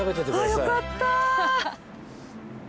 よかった。